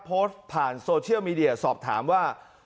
โพสต์ผ่านโซเชียลมีเดียสอบถามว่า